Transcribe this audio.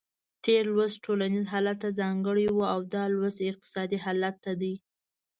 تېر لوست ټولنیز حالت ته ځانګړی و او دا لوست اقتصادي حالت ته دی.